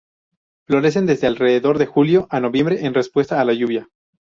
Florecen desde alrededor de julio a noviembre en respuesta a la lluvia.